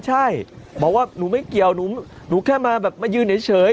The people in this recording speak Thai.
ใช่บอกว่าหนูไม่เกี่ยวหนูแค่มาแบบมายืนเฉย